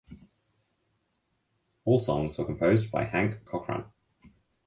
All songs were composed by Hank Cochran.